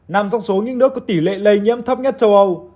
nằm trong số những nước có tỷ lệ lây nhiễm thấp nhất châu âu